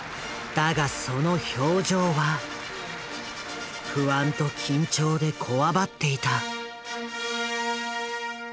だがその表情は不安と緊張でこわばっていた。